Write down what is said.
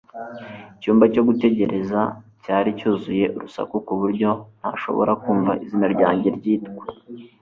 Icyumba cyo gutegereza cyari cyuzuye urusaku ku buryo ntashobora kumva izina ryanjye ryitwa